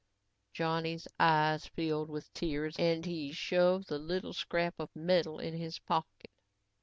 Johnny's eyes filled with tears and he shoved the little scrap of metal in his pocket.